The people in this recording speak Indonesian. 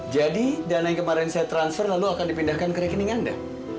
jadi dana yang kemarin saya transfer lalu akan dipindahkan ke rekening anda